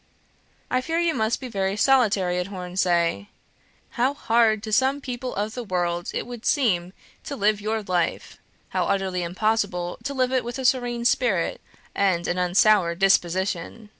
I fear you must be very solitary at Hornsea. How hard to some people of the world it would seem to live your life! how utterly impossible to live it with a serene spirit and an unsoured disposition!